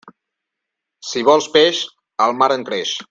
Si vols peix, al mar en creix.